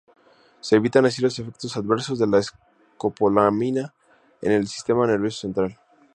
Se evitan así los efectos adversos de la escopolamina en el sistema nervioso central.